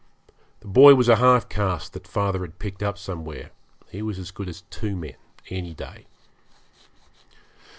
The boy was a half caste that father had picked up somewhere; he was as good as two men any day.